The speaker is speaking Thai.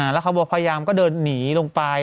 แล้วเขาบอกพยายามก็เดินหนีลงไป